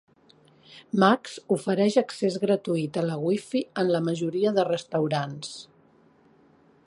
Max ofereix accés gratuït a la WiFi en la majoria de restaurants.